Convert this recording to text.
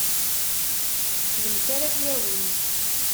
D nekk ara t-yawin.